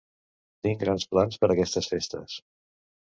Tinc grans plans per aquestes festes